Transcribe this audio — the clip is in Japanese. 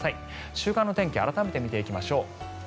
週間の天気を改めて見ていきましょう。